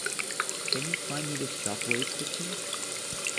Can you find me the Shockwave picture?